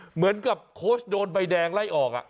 เหมือนกับโค้ชโดนใบแดงไล่ออก